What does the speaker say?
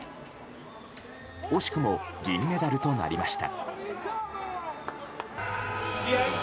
惜しくも銀メダルとなりました。